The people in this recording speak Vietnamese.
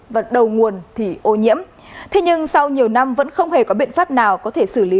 và đầu nguồn thì ô nhiễm thế nhưng sau nhiều năm vẫn không hề có biện pháp nào có thể xử lý